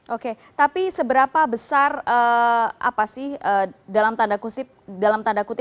oke tapi seberapa besar apa sih dalam tanda kutip kuasa seorang komisaris independen dalam dunia penerbangan ini